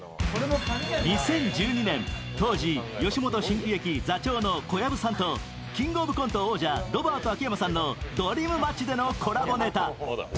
２０１２年、当時、吉本新喜劇座長の小薮さんとキングオブコント王者ロバート秋山さんの「ドリームマッチ」でのコラボネタ。